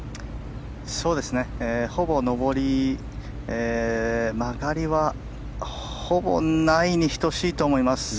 ほぼ上り、曲がりはほぼないに等しいと思います